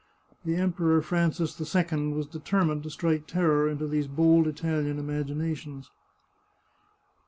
The Emperor Francis II was deter mined to strike terror into these bold Italian imaginations.